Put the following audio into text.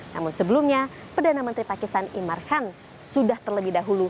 namun sebelumnya perdana menteri pakistan imar khan sudah terlebih dahulu